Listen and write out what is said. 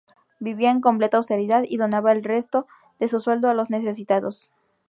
Vivía en completa austeridad y donaba el resto de su sueldo a los necesitados.